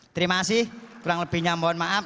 terima kasih kurang lebihnya mohon maaf